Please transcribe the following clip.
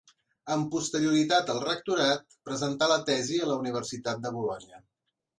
Amb posterioritat al rectorat, presentà la tesi a la universitat de Bolonya.